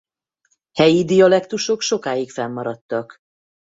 Helyi dialektusok sokáig fennmaradtak.